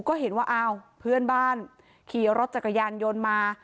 ก็เห็นว่าอ้าวเพื่อนบ้านขี่รถจักรยานยนต์มา